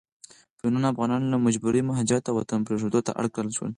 په ميلونونو افغانان له مجبوري مهاجرت او وطن پريښودو ته اړ کړل شوي